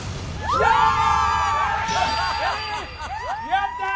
やったー！